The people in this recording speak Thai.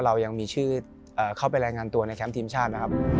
เรายังมีชื่อเข้าไปรายงานตัวในแคมป์ทีมชาตินะครับ